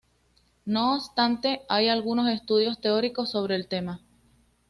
No obstante, hay algunos estudios teóricos sobre el tema.